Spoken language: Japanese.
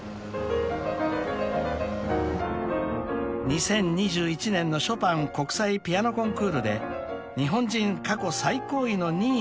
［２０２１年のショパン国際ピアノコンクールで日本人過去最高位の２位に輝いた反田さん］